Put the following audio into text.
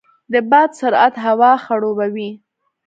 د باد سرعت هوا خړوبوي.